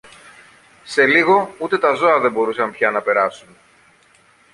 Σε λίγο ούτε τα ζώα δεν μπορούσαν πια να περάσουν.